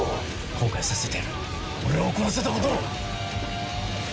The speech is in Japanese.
後悔させてやる俺を怒らせたことを！